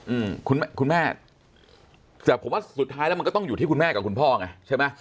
อืมคุณแม่คุณแม่แต่ผมว่าสุดท้ายแล้วมันก็ต้องอยู่ที่คุณแม่กับคุณพ่อไงใช่ไหม